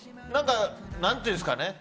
何ていうんですかね。